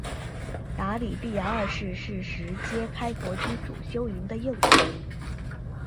答里必牙二世是是实皆开国君主修云的幼子。